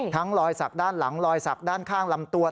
รอยสักด้านหลังรอยสักด้านข้างลำตัว